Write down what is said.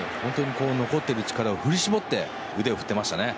残っている力を振り絞って腕を振っていました。